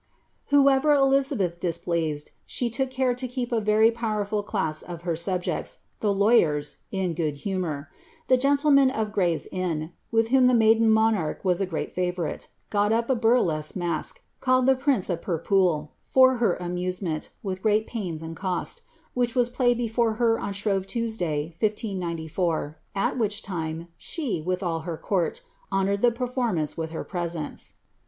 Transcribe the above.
Whoever Elizabeth displeased, she took care lo keep a very powerful class of her subjects, the lawyers, In good humour. The gendemeu oi Gray's Inn, with whom the maiden monarch was a great favourite, sot up a burlesque masque, called the Prince of Purpoole, for her aniuje mcni, with great pains and cost, which was played before her on Slirore Tuesday, 1594, at which lime, she, with all her court, honoured ihe performance with her presence.